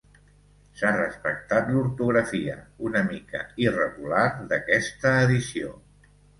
S’ha respectat l’ortografia, una mica irregular, d’aquesta edició.